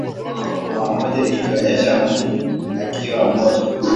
pamoja ikionyesha mtu akiwaka moto